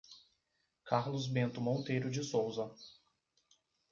Carlos Bento Monteiro de Souza